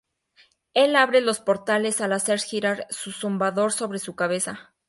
Él abre los portales al hacer girar su zumbador sobre su cabeza.